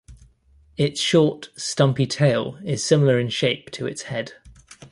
Its short, stumpy tail is similar in shape to its head.